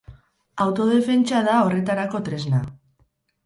Autodefentsa da horretarako tresna.